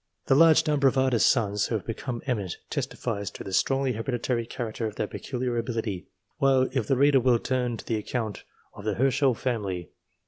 The large number of artists' sons who have become eminent, testifies to the strongly hereditary character of their peculiar ability, while, if the reader will turn to the account of the Herschel family, p.